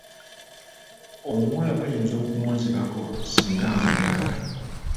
Omuwala bayinza okumunzibako singa ngayala.